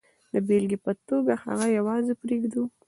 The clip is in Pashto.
د بېلګې په توګه هغه یوازې پرېږدو.